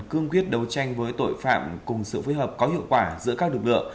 cương quyết đấu tranh với tội phạm cùng sự phối hợp có hiệu quả giữa các lực lượng